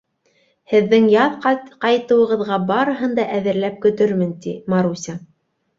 — Һеҙҙең яҙ ҡайтыуығыҙға барыһын да әҙерләп көтөрмөн, — ти Маруся.